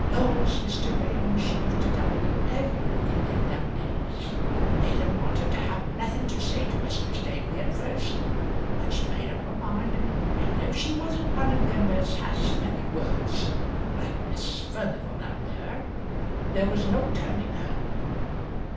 Laws, Mr. Graham, she used to tell me everything in them days. They didn't want her to have nothing to say to Mr. Staveley at first; but she made up her mind, and though she wasn't one of them as has many words, like Miss Furnival down there, there was no turning her."